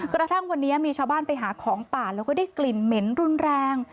กระทั่งวันนี้มีชาวบ้านไปหาของป่าแล้วก็ได้กลิ่นเหม็นรุนแรง